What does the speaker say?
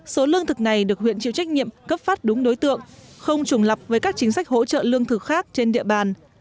số lương thực này được huyện chịu trách nhiệm cấp phát đúng đối tượng không trùng lập với các chính sách hỗ trợ lương thực khác trên địa bàn